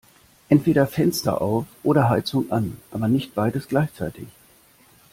Entweder Fenster auf oder Heizung an, aber nicht beides gleichzeitig!